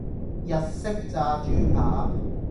日式炸豬扒